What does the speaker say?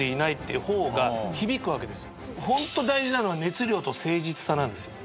ホント大事なのは熱量と誠実さなんですよ。